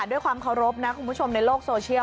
ด้วยความเคารพนะคุณผู้ชมในโลกโซเชียล